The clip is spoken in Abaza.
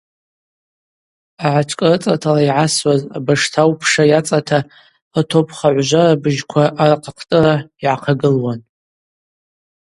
Агӏатшкӏарыцӏыртала йгӏасуаз абаштаупша йацӏата атопхагӏвжвара быжьква архъа хътӏыра йгӏахъагылуан.